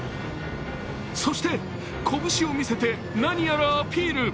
そして、拳を見せて何やらアピール。